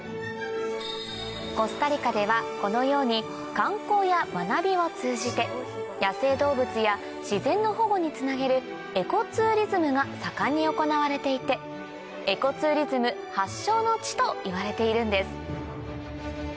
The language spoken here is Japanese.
コスタリカではこのように観光や学びを通じて野生動物や自然の保護につなげるエコツーリズムが盛んに行われていてエコツーリズム発祥の地といわれているんです